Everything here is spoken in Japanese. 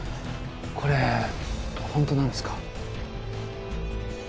これホントなんですか？